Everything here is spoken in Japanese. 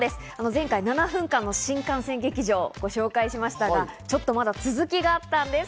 前回、７分間の新幹線劇場をご紹介しましたが、ちょっとまだ続きがあったんです。